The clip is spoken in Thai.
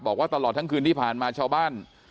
บอกว่าตลอดทั้งคืนที่ผ่านมาชาวบ้าน